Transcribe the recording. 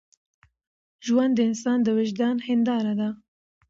ژوند د انسان د وجدان هنداره ده.